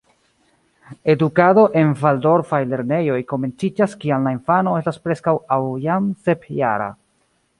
Edukado en valdorfaj lernejoj komenciĝas kiam la infano estas preskaŭ aŭ jam sepjara.